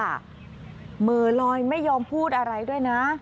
เหมือลอยไม่ยอมพูดอะไรด้วยนะ